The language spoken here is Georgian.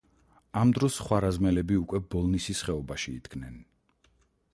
ამ დროს ხვარაზმელები უკვე ბოლნისის ხეობაში იდგნენ.